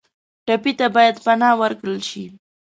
ټپي ته باید پناه ورکړل شي.